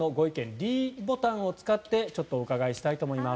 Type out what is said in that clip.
ｄボタンを使ってお聞きしたいと思います。